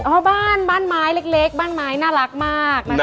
โอ้าบ้านม้ายเล็กบ้านม้ายน่ารักมาก